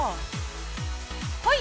はい！